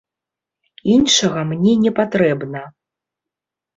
Іншага мне не патрэбна.